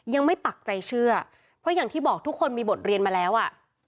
ปักใจเชื่อเพราะอย่างที่บอกทุกคนมีบทเรียนมาแล้วอ่ะ